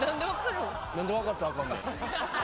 何で分かったらあかんねん？